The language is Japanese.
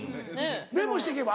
メモしてけば？